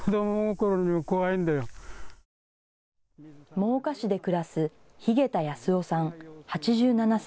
真岡市で暮らす日下田安男さん、８７歳。